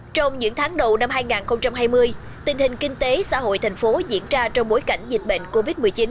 trong những tháng đầu năm hai nghìn hai mươi tình hình kinh tế xã hội thành phố diễn ra trong bối cảnh dịch bệnh covid một mươi chín